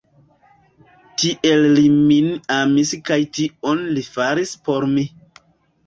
Tiel li min amis kaj tion li faris por mi.